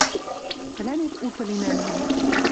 Тӹлӓнет уты линӓм мӹнь.